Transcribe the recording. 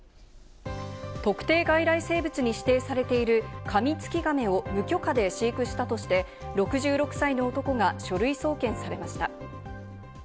特定外来生物に指定されているカミツキガメを無許可で飼育したとして６６歳の男が書類送検されました。